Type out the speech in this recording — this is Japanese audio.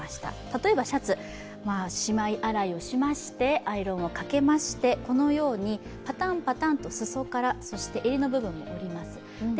例えばシャツ、しまい洗いをしてアイロンをかけまして、このようにパタンパタンと裾からそして襟の部分を折ります。